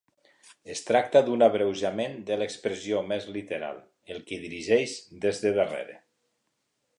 Es tracta d"un abreujament de l"expressió més literal "el que dirigeix des de darrere".